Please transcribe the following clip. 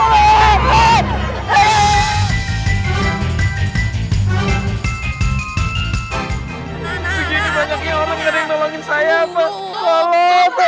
allah tuhan saya kaget